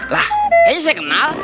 lah kayaknya saya kenal